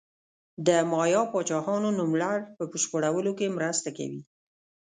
د مایا پاچاهانو نوملړ په بشپړولو کې مرسته کوي.